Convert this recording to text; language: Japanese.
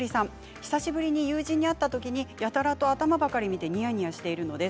久しぶりに友人に会ったときに頭ばかり見てニヤニヤしているのです。